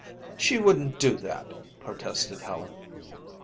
"She wouldn't do that," protested Helen.